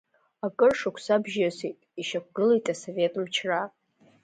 Акыр шықәса бжьысит, ишьақәгылеит Асовет мчра.